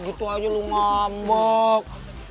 gitu aja lo ngambek